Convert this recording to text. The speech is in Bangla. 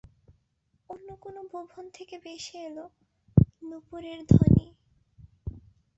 অন্য কোনো ভুবন থেকে ভেসে এল নূপুরের ধ্বনি।